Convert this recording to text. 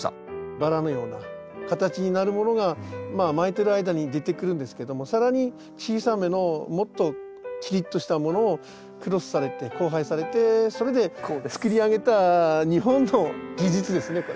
バラのような形になるものが巻いてる間に出てくるんですけども更に小さめのもっとキリッとしたものをクロスされて交配されてそれでつくり上げた日本の技術ですねこれ。